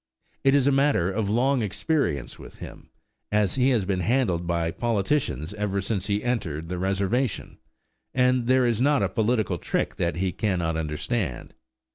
It is a matter of long experience with him, as he has been handled by politicians ever since he entered the reservation, and there is not a political trick that he cannot understand.